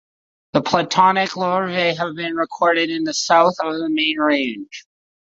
The planktonic larvae have been recorded to the south of the main range.